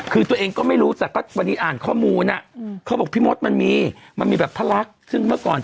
คือตัวเองก็ไม่รู้แต่ก็วันนี้อ่านข้อมูลอ่ะเขาบอกพี่มดมันมีมันมีแบบทะลักซึ่งเมื่อก่อน